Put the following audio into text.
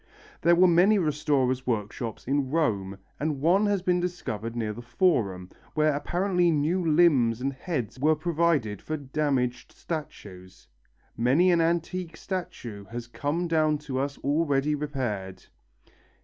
There were many restorers' workshops in Rome, and one has been discovered near the Forum, where apparently new limbs and heads were provided for damaged statues. Many an antique statue has come down to us already repaired.